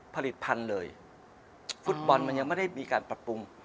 ผลิตภัณฑ์เลยฟุตบอลมันยังไม่ได้มีการปรับปรุง